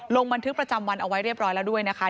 ลงบันทึกประจำวันเอาไว้เรียบร้อยแล้วด้วยนะคะ